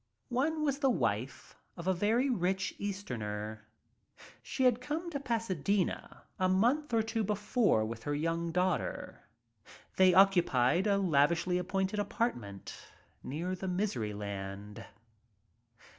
One was the wife of a very rich Easterner. She had come to Pasadena a month or two before with her young daughter. They occupied a lavishly appointed apartment near the Miseryland.